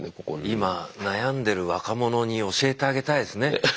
今悩んでる若者に教えてあげたいですね。